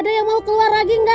ada yang mau keluar lagi nggak